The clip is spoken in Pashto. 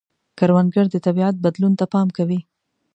کروندګر د طبیعت بدلون ته پام کوي